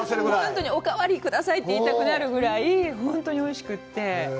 本当に、おかわりくださいって言いたくなるぐらい本当においしくって。